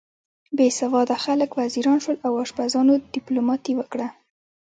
بې سواده خلک وزیران شول او اشپزانو دیپلوماتۍ وکړه.